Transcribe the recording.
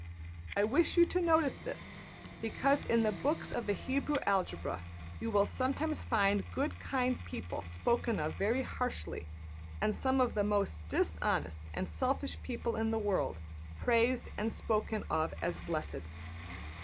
I wish you to notice this, because in the books of the Hebrew algebra you will sometimes find good kind people spoken of very harshly; and some of the most dishonest and selfish people in the world praised and spoken of as blessed.